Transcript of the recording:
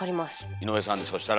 井上さんでそしたら。